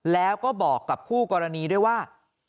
แล้วก็บอกกับคู่กรณีด้วยว่า